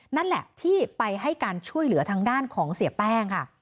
นั่นแหละที่ไปให้การช่วยเหลือทางด้านของเสียแป้งค่ะ